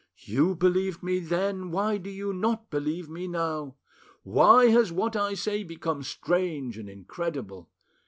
You believed me then: why do you not believe me now? Why has what I say become strange and incredible?